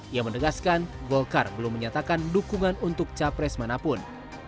ia menegaskan golkar belum menyatakan dukungan untuk capres manapun